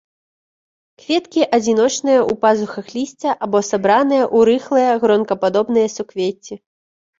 Кветкі адзіночныя ў пазухах лісця або сабраныя ў рыхлыя гронкападобныя суквецці.